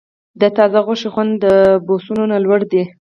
د تازه غوښې خوند د بوسو نه لوړ دی.